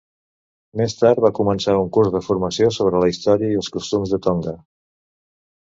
Més tard va començar un curs de formació sobre la història i els costums de Tonga.